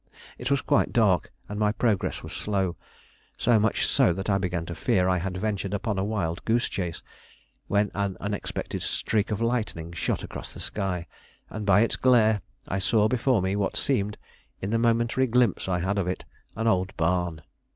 It was quite dark, and my progress was slow; so much so, that I began to fear I had ventured upon a wild goose chase, when an unexpected streak of lightning shot across the sky, and by its glare I saw before me what seemed, in the momentary glimpse I had of it, an old barn.